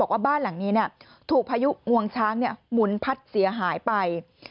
ว่าบ้านหลังนี้ถูกพายุงวงช้างหมุนพัดเสียหายไป